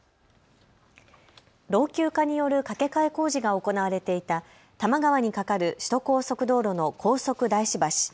老朽化による架け替え工事が行われていた多摩川に架かる首都高速道路の高速大師橋。